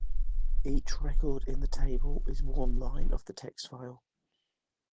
Each record in the table is one line of the text file.